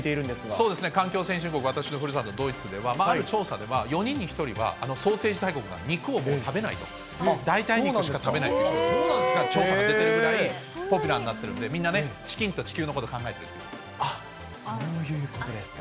そうですね、環境先進国、私のふるさと、ドイツではある調査では、４人に１人はソーセージ大国なのに、肉をもう食べないと、代替肉しか食べないという調査が出てるぐらいポピュラーになってるんで、みんなチキンと地球のことを考えているということなんでそういうことですか。